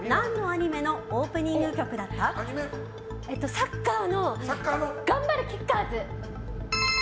サッカーの「がんばれ！キッカーズ」。